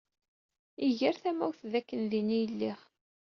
Iger tamawt dakken din ay lliɣ.